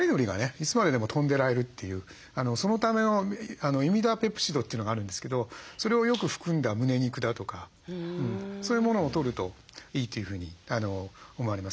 いつまででも飛んでられるというそのためのイミダペプチドというのがあるんですけどそれをよく含んだ胸肉だとかそういうものをとるといいというふうに思われますね。